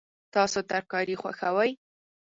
تاسو ترکاري خوښوئ؟